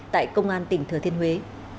tại công an tỉnh thừa thiên huế